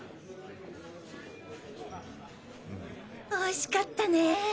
おいしかったね。